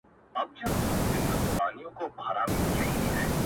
چي د همدې بابا د دولت ثمره خوري